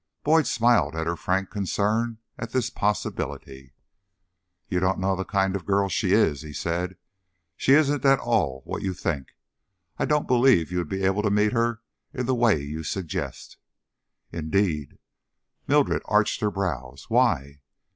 Boyd smiled at her frank concern at this possibility. "You don't know the kind of girl she is," he said. "She isn't at all what you think; I don't believe you would be able to meet her in the way you suggest." "Indeed!" Mildred arched her brows. "Why?"